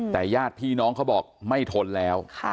แต่ญาติพี่น้องเขาบอกไม่ทนแล้ว